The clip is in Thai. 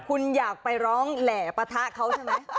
คุณอยากไปร้องแหล่ปะทะเขาใช่ไหม